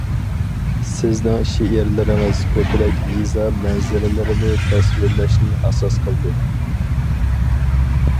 -سىزنىڭ شېئىرلىرىڭىز كۆپرەك يېزا مەنزىرىلىرىنى تەسۋىرلەشنى ئاساس قىلدى.